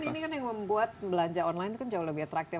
tapi ini kan yang membuat belanja online itu kan jauh lebih atraktif